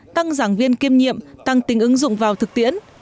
tăng giảng viên kiêm nhiệm tăng tính ứng dụng vào thực tiễn